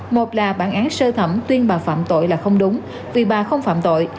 một là bản án sơ thẩm tuyên bà phạm tội là không đúng vì bà không phạm tội